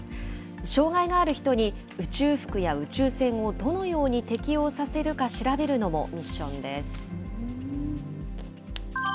障害がある人に宇宙服や宇宙船をどのように適応させるか調べるのもミッションです。